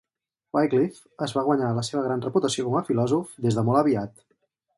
Wycliffe es va guanyar la seva gran reputació com a filòsof des de molt aviat.